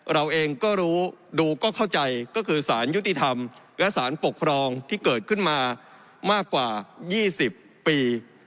เราเองก็รู้ดูก็เข้าใจก็คือสารยุติธรรมและสารปกครองที่เกิดขึ้นมามากกว่า๒๐ปี